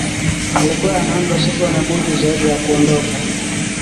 yalikuwa yanaanza Sikuwa na budi zaidi ya kuondoka